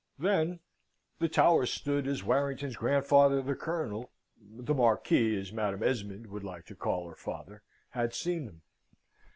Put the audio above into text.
Then the towers stood as Warrington's grandfather the Colonel (the Marquis, as Madam Esmond would like to call her father) had seen them.